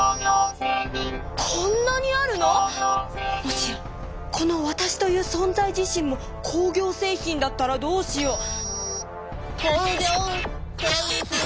こんなにあるの⁉もしやこのわたしというそんざい自身も工業製品だったらどうしよう⁉コウギョウセイヒン。